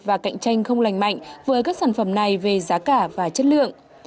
và cạnh tranh không lành mạnh với các sản phẩm này về giá cả và chất lượng